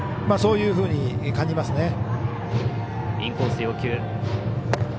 そういうふうに感じますね。